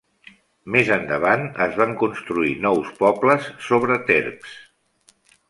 Més endavant es van construir nous pobles sobre terps.